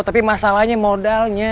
tapi masalahnya modalnya